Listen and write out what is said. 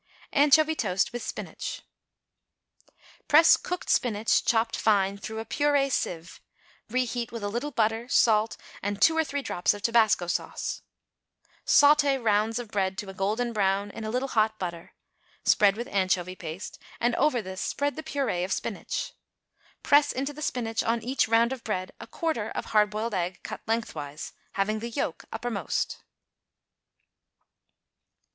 =Anchovy Toast with Spinach.= Press cooked spinach, chopped fine, through a purée sieve; reheat with a little butter, salt and two or three drops of tobasco sauce. Sauté rounds of bread to a golden brown in a little hot butter, spread with anchovy paste, and over this spread the purée of spinach. Press into the spinach on each round of bread a quarter of a hard boiled egg cut lengthwise, having the yolk uppermost.